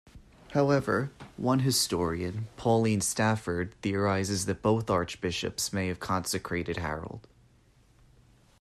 However, one historian, Pauline Stafford, theorises that both archbishops may have consecrated Harold.